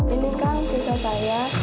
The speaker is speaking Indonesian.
ini kan kisah saya